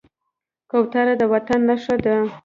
کوتره د وطن نښه ده.